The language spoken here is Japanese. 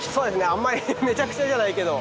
あんまりめちゃくちゃじゃないけど。